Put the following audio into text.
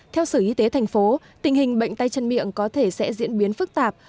theo sở y tế thành phố tình hình bệnh tay chân miệng có thể sẽ diễn biến phức tạp